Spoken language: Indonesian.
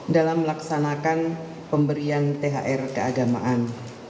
dalam melaksanakan pemberian thr keagamaan